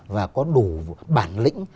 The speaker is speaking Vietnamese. và có đủ bản lĩnh